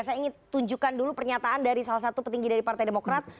saya ingin tunjukkan dulu pernyataan dari salah satu petinggi dari partai demokrat